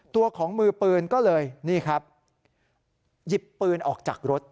ตัวของมือปืนก็เลยยิบปืนออกจากรถ